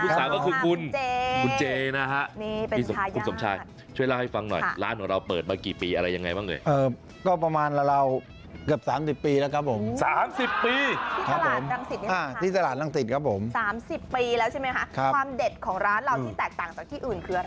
ปีแล้วใช่ไหมครับความเด็ดของร้านเราที่แตกต่างจากที่อื่นคืออะไร